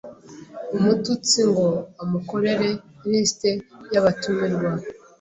umututsi ngo amukorere list y’abatumirwa,